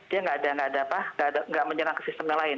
dia nggak menyerang ke sistemnya lain